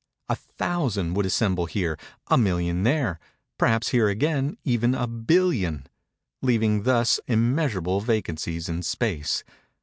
A thousand would assemble here; a million there—perhaps here, again, even a billion—leaving, thus, immeasurable vacancies in space.